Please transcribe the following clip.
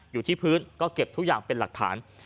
อยู่ที่พื้นก็เก็บทุกอย่างเป็นหลักฐาน